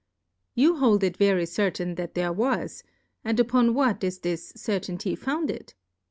You hold it very certain that there was, and upon what is this Cer tainty founded